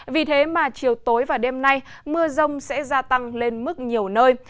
vì thế mà chiều tối và đêm nay mưa rông sẽ gia tăng lên mức nhiều nơi